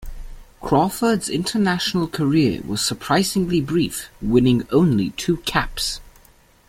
Crawford's international career was surprisingly brief, winning only two caps.